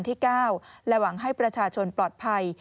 ที่๙และหวังให้ประชาชนปลอดภัย